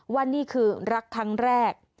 ว่านี่คือรักครั้งแรก